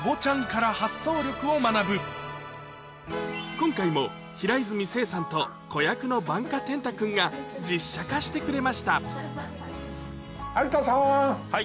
今回も平泉成さんと子役の番家天嵩君が実写化してくれましたはい！